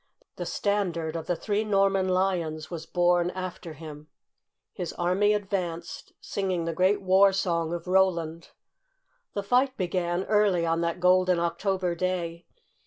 The standard of the Three Norman Lions was borne after him. His army advanced, singing the great war song of Roland. The fight began early on that golden October day.